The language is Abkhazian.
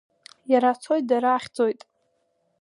Иара цоит дара ахьӡоит.